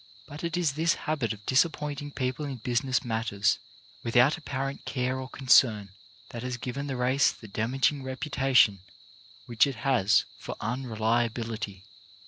But it is this habit of disappointing people in business matters without apparent care or concern that has given the race the damaging reputation which it has for unreliability.